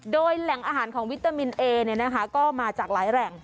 โดยแหล่งอาหารของวิตามินเอก็มาจากหลายแหล่ง